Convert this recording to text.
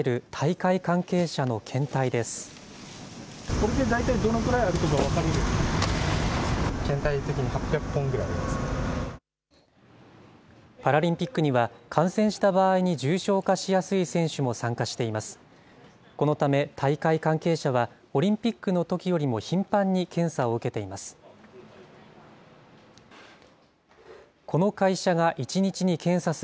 このため、大会関係者は、オリンピックのときよりも頻繁に検査を受けています。